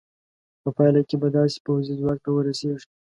په پایله کې به داسې پوځي ځواک ته ورسېږې.